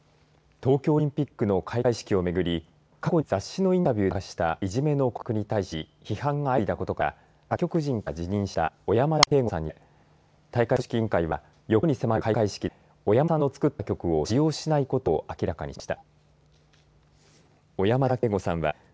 東京オリンピックの開会式をめぐり過去に雑誌のインタビューで明かしたいじめの告白に対し批判が相次いだことから作曲陣から辞任した小山田圭吾さんについて大会組織委員会は４日後に迫る開会式で小山田さんの作った曲を使用しないことを明らかにしました。